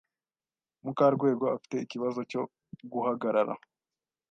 Mukarwego afite ikibazo cyo guhagarara.